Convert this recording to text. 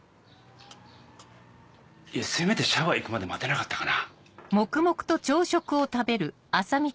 せめてシャワー行くまで待てなかったかな。